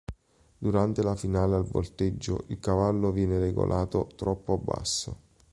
Durante la finale al volteggio, il cavallo viene regolato troppo basso.